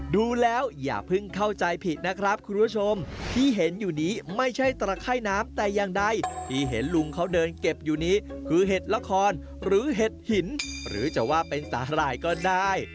ดูแล้วอย่าเพิ่งเข้าใจผิดนะครับคุณผู้ชมที่เห็นอยู่นี้ไม่ใช่ตระไข้น้ำแต่อย่างใดที่เห็นลุงเขาเดินเก็บอยู่นี้คือเห็ดละครหรือเห็ดหินหรือจะว่าเป็นสาหร่ายก็ได้